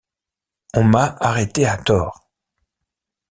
On m’a arrêté à tort.